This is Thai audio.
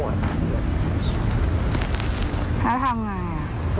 น้าทำอย่างไร